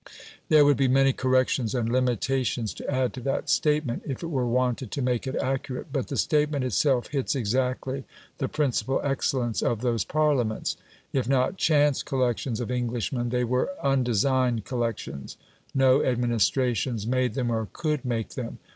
There would be many corrections and limitations to add to that statement if it were wanted to make it accurate, but the statement itself hits exactly the principal excellence of those Parliaments. If not "chance" collections of Englishmen, they were "undesigned" collections; no administrations made them or could make them.